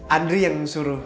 indri yang suruh